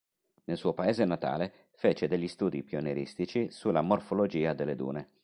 Nel suo paese natale, fece degli studi pionieristici sulla morfologia delle dune.